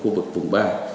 ở khu vực vùng ba